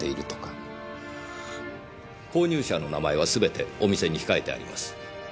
購入者の名前はすべてお店に控えてあります。